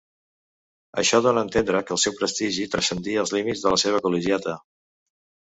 Això dóna entendre que el seu prestigi transcendí els límits de la seva Col·legiata.